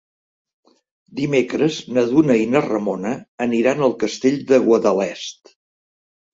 Dimecres na Duna i na Ramona aniran al Castell de Guadalest.